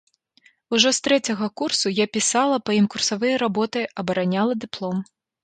Ужо з трэцяга курсу я пісала па ім курсавыя работы, абараняла дыплом.